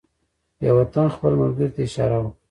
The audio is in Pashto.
یوه تن خپل ملګري ته اشاره وکړه.